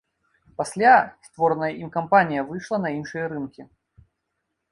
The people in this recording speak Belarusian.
Пасля створаная ім кампанія выйшла на іншыя рынкі.